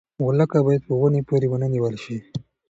غولکه باید په ونې پورې ونه نیول شي.